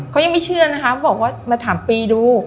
เขายังไม่เชื่อนะคะบอกว่ามาถามปีดู